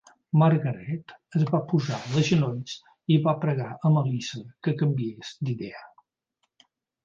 Margaret es va posar de genolls i va pregar a Melissa que canviés d'idea.